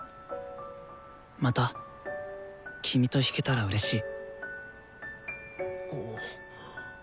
また君と弾けたらうれしい。